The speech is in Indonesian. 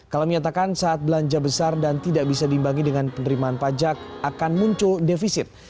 kala menyatakan saat belanja besar dan tidak bisa dibagi dengan penerimaan pajak akan muncul defisit